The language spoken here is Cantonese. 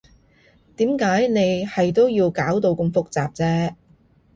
點解你係都要搞到咁複雜啫？